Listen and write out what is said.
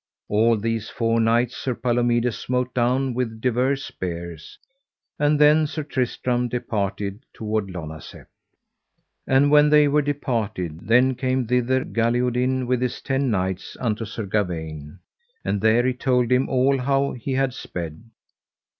All these four knights Sir Palomides smote down with divers spears. And then Sir Tristram departed toward Lonazep. And when they were departed then came thither Galihodin with his ten knights unto Sir Gawaine, and there he told him all how he had sped.